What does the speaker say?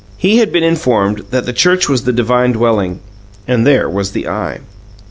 He had been informed that the church was the divine dwelling and there was the Eye!